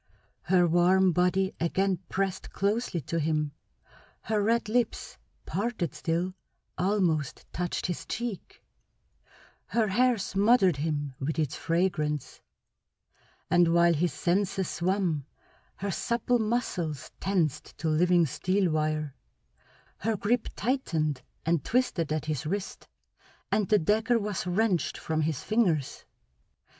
Her warm body again pressed closely to him, her red lips, parted still, almost touched his cheek; her hair smothered him with its fragrance; and while his senses swam her supple muscles tensed to living steel wire, her grip tightened and twisted at his wrist, and the dagger was wrenched from his fingers.